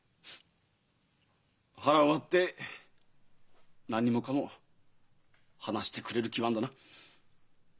腹割って何もかも話してくれる気はあんだな？